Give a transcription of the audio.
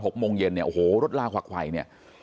โมงเย็นเนี่ยโอ้โหรถลาควักไขวเนี่ย